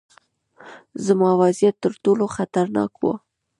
زما وضعیت ترټولو خطرناک و.